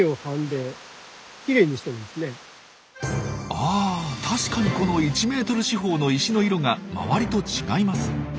あ確かにこの１メートル四方の石の色が周りと違います。